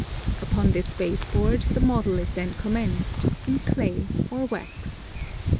Upon this base board the model is then commenced, in clay or wax.